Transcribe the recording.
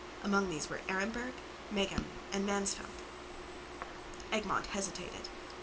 Among these were Aremberg, Meghem and Mansfeld. Egmont hesitated.